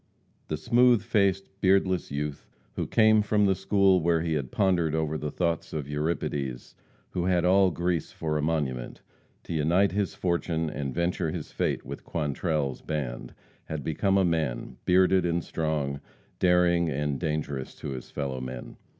The smooth faced, beardless youth who came from the school where he had pondered over the thoughts of Euripides, who had all Greece for a monument, to unite his fortune and venture his fate with Quantrell's band, had become a man, bearded and strong, daring and dangerous to his fellow men.